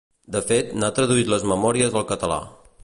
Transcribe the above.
De fet, n'ha traduït les memòries al català.